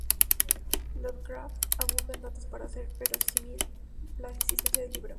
Lovecraft abunda en datos para hacer verosímil la existencia del libro.